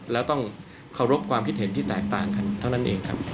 แล้วต้องเคารพความคิดเห็นที่แตกต่างกันเท่านั้นเองครับ